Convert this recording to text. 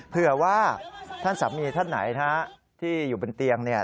เผื่อว่าท่านสามีท่านไหนนะฮะที่อยู่บนเตียงเนี่ย